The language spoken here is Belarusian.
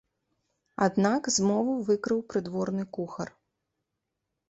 Аднак змову выкрыў прыдворны кухар.